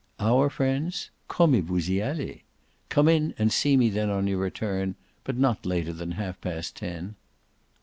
"'Our friends'? Comme vous y allez! Come in and see me then on your return; but not later than half past ten."